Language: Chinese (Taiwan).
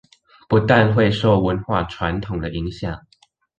不但會受文化傳統的影響